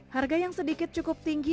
harga yang sedikit cukup tinggi